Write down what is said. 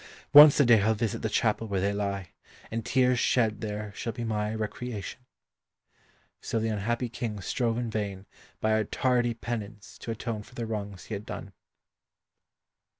Once a day I'll visit the chapel where they lie, and tears shed there shall be my recreation." So the unhappy King strove in vain by a tardy penance to atone for the wrongs he had done.